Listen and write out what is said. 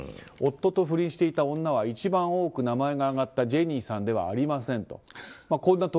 夫と不倫していた女は一番多く名前が挙がったジェニーさんではありませんと。